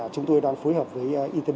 chúng tôi đang phối hợp với itb